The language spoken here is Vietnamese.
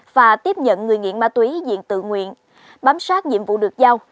và tiếp nhận người nghiện ma túy diện tự nguyện bám sát nhiệm vụ được giao